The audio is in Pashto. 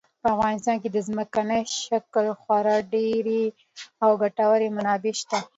په افغانستان کې د ځمکني شکل خورا ډېرې او ګټورې منابع شته.